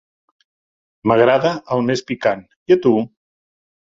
M'agrada el més picant, i a tu?